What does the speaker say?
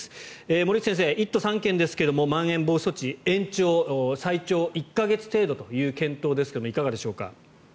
森内先生、１都３県ですがまん延防止措置延長最長１か月程度という検討ですがいかがでしょうか。